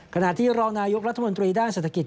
ขณะที่รองนายกรัฐมนตรีด้านเศรษฐกิจ